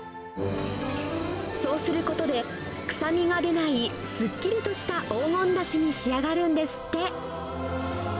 そうすることで、臭みが出ないすっきりとした黄金だしに仕上がるんですって。